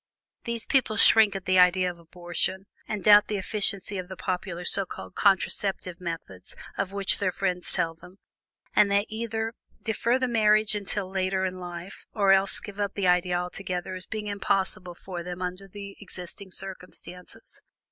These people shrink at the idea of abortion, and doubt the efficacy of the popular so called contraceptive methods of which their friends tell them, and they either defer the marriage until later in life, or else give up the idea altogether as being impossible for them under the existing circumstances.